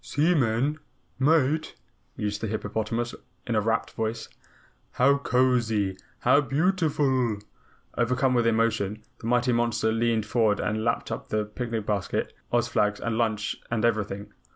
"Seaman? Mate?" mused the hippopotamus in a rapt voice. "How cozy, how beautiful!" Overcome with emotion, the mighty monster leaned forward and lapped up the picnic basket, Oz flags, lunch and everything.